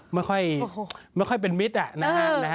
ไม่ค่อยไม่ค่อยเป็นมิตรนะฮะ